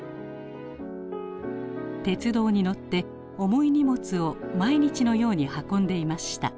鉄道に乗って重い荷物を毎日のように運んでいました。